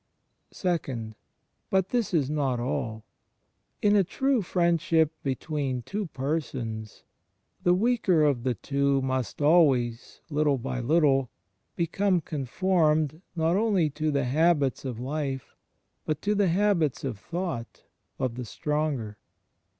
(ii) But this is not all. In a true friendship between two persons, the weaker of the two must always, little by little, become conformed not only to the habits of life, but to the habits of thought, of the stronger.